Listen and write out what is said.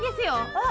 あっ